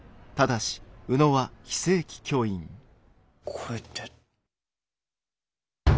これって。